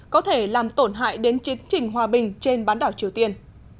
có thể làm tổn hại đến chiến trình hòa bình trên bán đảo triều tiên